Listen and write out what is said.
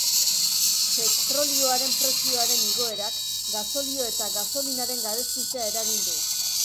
Petrolioaren prezioaren igoerak gasolio eta gasolinaren garestitzea eragin du.